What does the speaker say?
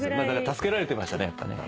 助けられてましたねやっぱね。